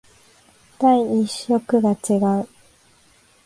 第一色が違う